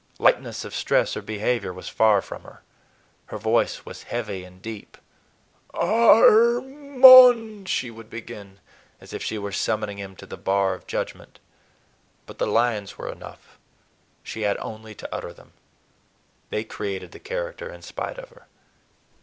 Lightness of stress or behavior was far from her. Her voice was heavy and deep: "Ar r r mond!" she would begin, as if she were summoning him to the bar of Judgment. But the lines were enough. She had only to utter them. They created the character in spite of her.